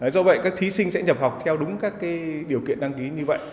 do vậy các thí sinh sẽ nhập học theo đúng các điều kiện đăng ký như vậy